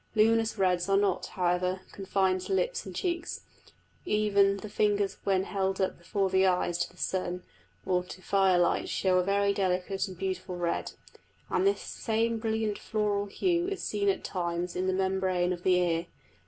Luminous reds are not, however, confined to lips and cheeks: even the fingers when held up before the eyes to the sun or to firelight show a very delicate and beautiful red; and this same brilliant floral hue is seen at times in the membrane of the ear.